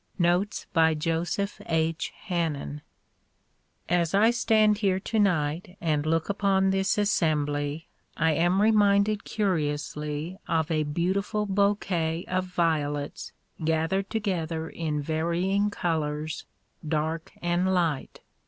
Notes by Joseph H. Hannen AS I stand here tonight and look upon this assembly, I am re minded curiously of a beautiful bouquet of violets gathered together in varying colors, dark and light.